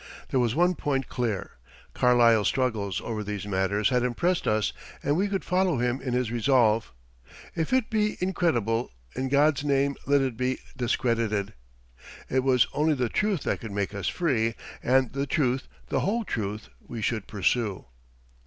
There was one point clear. Carlyle's struggles over these matters had impressed us and we could follow him in his resolve: "If it be incredible, in God's name let it be discredited." It was only the truth that could make us free, and the truth, the whole truth, we should pursue.